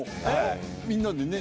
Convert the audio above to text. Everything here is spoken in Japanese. みんなでね？